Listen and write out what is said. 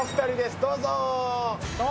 どうぞ。